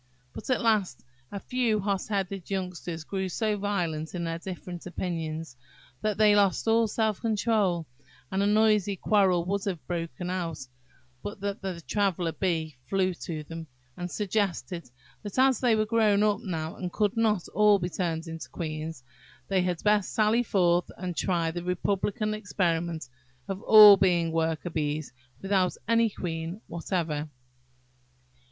But, at last, a few hot headed youngsters grew so violent in their different opinions, that they lost all self control, and a noisy quarrel would have broken out, but that the Traveller bee flew to them, and suggested that, as they were grown up now, and could not all be turned into queens, they had best sally forth and try the republican experiment of all being working bees without any queen whatever.